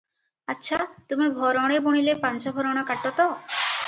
ଆଛା, ତୁମ୍ଭେ ଭରଣେ ବୁଣିଲେ ପାଞ୍ଚଭରଣ କାଟ ତ?